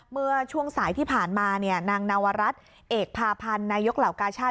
เมื่อช่วงสายที่ผ่านมาเนี่ยนางนวรัฐเอกพาพันธ์นายกเหล่ากาชาติ